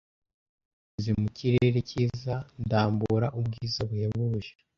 Binyuze mu kirere cyiza ndambura ubwiza buhebuje,